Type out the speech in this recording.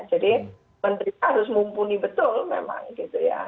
jadi menteri harus mumpuni betul memang gitu ya